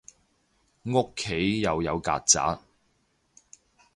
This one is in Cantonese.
屋企又有曱甴